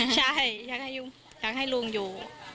ใช่อยากให้ลุงอยู่